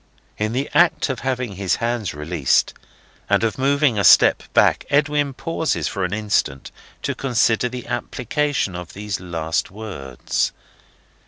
In the act of having his hands released, and of moving a step back, Edwin pauses for an instant to consider the application of these last words.